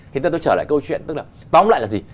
thì tôi trở lại câu chuyện tức là tóm lại là gì